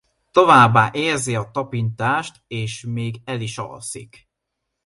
Továbbá érzi a tapintást és még el is alszik.